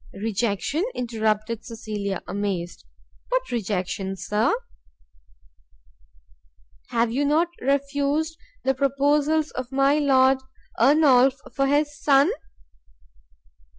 "Rejection?" interrupted Cecilia, amazed, "what rejection, Sir?" "Have you not refused the proposals of my Lord Ernolf for his son?"